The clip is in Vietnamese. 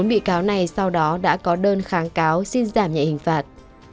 bốn bị cáo này sau đó đã có đơn kháng cáo xin giảm nhẹ hình phạt